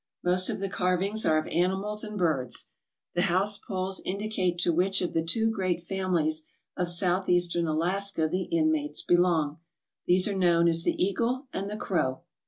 Most of the carvings are of animals and birds. The house poles indicate to which of the two great families of South eastern Alaska the inmates belong. These are known as the Eagle and the Crow.